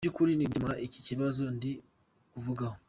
Mu by’ukuri ni ugukemura iki kibazo ndi kuvugaho.